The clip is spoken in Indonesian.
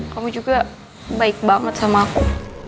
kamu juga baik banget sama aku